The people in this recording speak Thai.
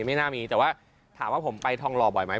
ไม่น่ามีแต่ว่าถามว่าผมไปทองหล่อบ่อยไหม